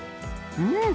うん！